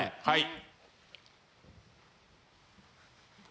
はい。